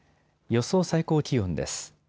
予想最高気温です。